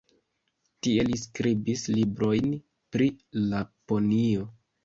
Tie li skribis librojn pri Laponio.